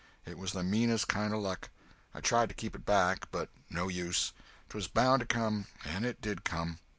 It was the meanest kind of luck! I tried to keep it back, but no use—'twas bound to come, and it did come!